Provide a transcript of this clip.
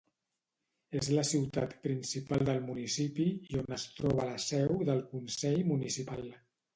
És la ciutat principal del municipi i on es troba la seu del consell municipal.